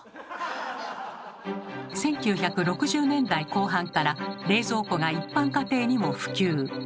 １９６０年代後半から冷蔵庫が一般家庭にも普及。